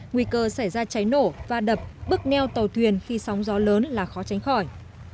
nguy cơ xảy ra cháy nổ va đập bước neo tàu thuyền khi sóng gió lớn là khó tránh khỏi